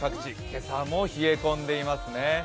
今朝も冷え込んでいますね。